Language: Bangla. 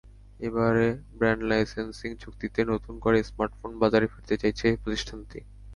এবারে ব্র্যান্ড লাইসেন্সিং চুক্তিতে নতুন করে স্মার্টফোন বাজারে ফিরতে চাইছে প্রতিষ্ঠানটি।